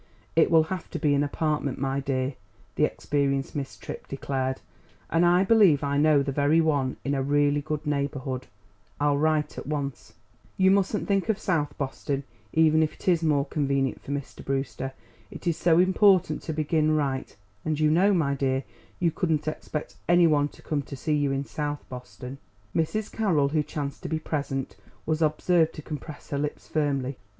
"It will have to be an apartment, my dear," the experienced Miss Tripp declared; "and I believe I know the very one in a really good neighbourhood. I'll write at once. You mustn't think of South Boston, even if it is more convenient for Mr. Brewster. It is so important to begin right; and you know, my dear, you couldn't expect any one to come to see you in South Boston." Mrs. Carroll, who chanced to be present, was observed to compress her lips firmly.